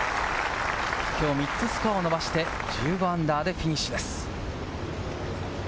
きょう３つスコアを伸ばして、−１５でフィニッシュです。